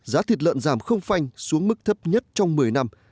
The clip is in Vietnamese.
giá thịt lợn giảm không phanh xuống mức thấp nhất trong một mươi năm